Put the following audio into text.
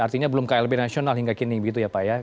artinya belum klb nasional hingga kini begitu ya pak ya